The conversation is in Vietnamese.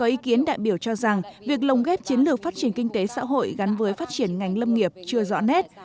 ý kiến đại biểu cho rằng việc lồng ghép chiến lược phát triển kinh tế xã hội gắn với phát triển ngành lâm nghiệp chưa rõ nét